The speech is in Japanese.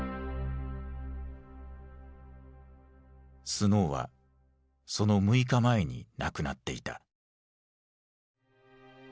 スノーはその６日前に亡くなっていた。